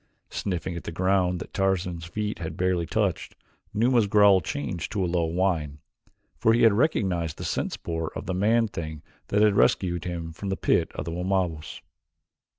Sniffing at the ground that Tarzan's feet had barely touched, Numa's growl changed to a low whine, for he had recognized the scent spoor of the man thing that had rescued him from the pit of the Wamabos.